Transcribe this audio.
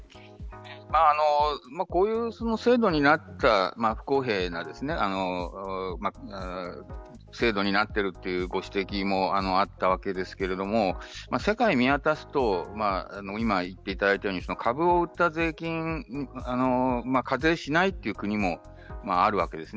こういう制度になった不公平な制度になっているというご指摘もあったわけですが世界を見渡すと株を売った税金課税しないという国もあるわけですね。